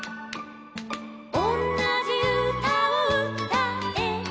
「おんなじうたをうたえば」